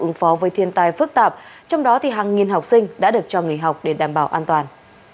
ứng phó với thiên tai phức tạp trong đó hàng nghìn học sinh đã được cho nghỉ học để đảm bảo an toàn